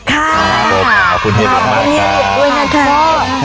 ขอบคุณเฮียเหลียงมากค่ะ